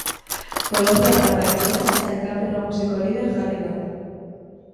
Kolonbiarra, gainera, sailkapen nagusiko lider jarri da.